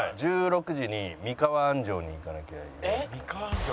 １６時に三河安城に行かなきゃいけなくて。